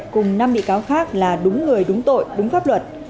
cùng năm bị cáo khác là đúng người đúng tội đúng pháp luật